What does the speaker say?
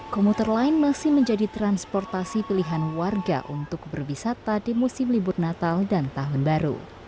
komuter lain masih menjadi transportasi pilihan warga untuk berwisata di musim libur natal dan tahun baru